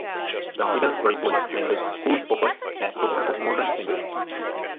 The Middlebury College Language Schools offers a Doctor of Modern Languages.